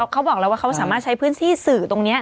เขาบอกแล้วว่าเขาสามารถใช้พื้นที่สื่อตรงนี้